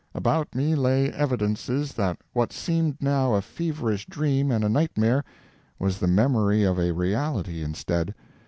About me lay evidences that what seemed now a feverish dream and a nightmare was the memory of a reality instead.